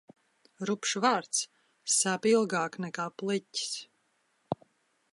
Rupjš vārds sāp ilgāk nekā pliķis.